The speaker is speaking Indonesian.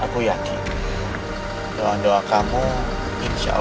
hai aku yakin pasti ada jalan untuk kamu berkumpul lagi dengan anak anak kamu